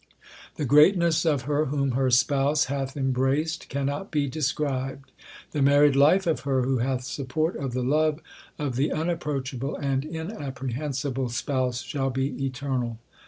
The greatness of her whom her Spouse Hath embraced cannot be described. The married life of her who hath the support of the love of the Unapproachable and Inapprehensible Spouse shall be eternal.